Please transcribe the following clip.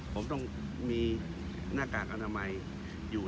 ผมต้องมีหน้ากากอนามัยอยู่